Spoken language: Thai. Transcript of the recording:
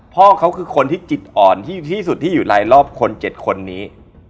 พ่อเขาคือคนที่จิตอ่อนที่สุดที่อยู่รายรอบคน๗คนนี้